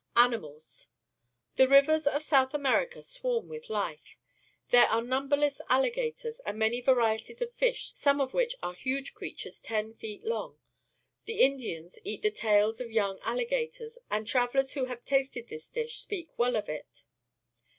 Animals. — The rivers of South America swarm with life. There are numberless alligators^ and many varieties of fish, some of which are huge creatures ten feet long. The Indians eat the tails of young alligators, and travellers who have tasted this dish sjieak well of it.